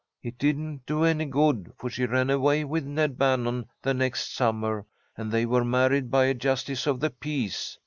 It didn't do any good, for she ran away with Ned Bannon the next summer, and they were married by a justice of the peace.